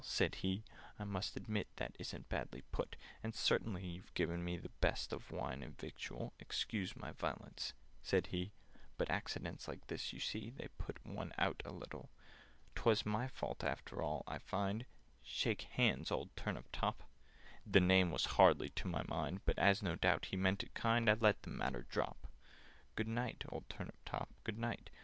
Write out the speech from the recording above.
said he. "I must admit That isn't badly put. "And certainly you've given me The best of wine and victual— Excuse my violence," said he, "But accidents like this, you see, They put one out a little. "'Twas my fault after all, I find— Shake hands, old Turnip top!" The name was hardly to my mind, But, as no doubt he meant it kind, I let the matter drop. "Good night, old Turnip top, good night!